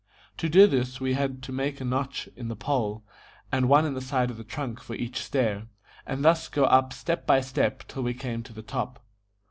To do this we had to make a notch in the pole and one in the side of the trunk for each stair, and thus go up step by step till we came to the top.